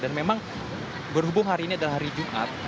dan memang berhubung hari ini adalah hari jumat